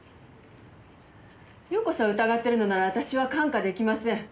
容子さんを疑ってるのなら私は看過出来ません。